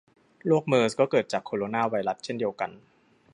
โรคเมอร์สก็เกิดจากโคโรนาไวรัสเช่นเดียวกัน